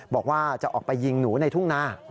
บอกว่าจะออกไปยิงหนูในทุ่งนา